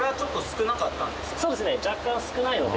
そうですね。若干少ないので。